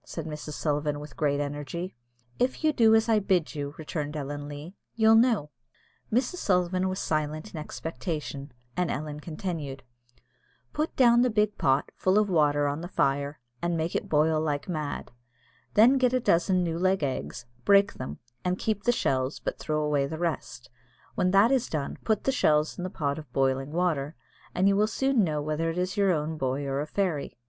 said Mrs. Sullivan with great energy. "If you do as I bid you," returned Ellen Leah, "you'll know." Mrs. Sullivan was silent in expectation, and Ellen continued, "Put down the big pot, full of water, on the fire, and make it boil like mad; then get a dozen new laid eggs, break them, and keep the shells, but throw away the rest; when that is done, put the shells in the pot of boiling water, and you will soon know whether it is your own boy or a fairy.